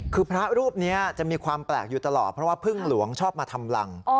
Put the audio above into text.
คือพระรูปนี้จะมีความแปลกอยู่ตลอดเพราะว่าพึ่งหลวงชอบมาทำรัง